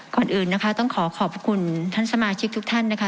ก่อนอื่นนะคะต้องขอขอบคุณท่านสมาชิกทุกท่านนะคะ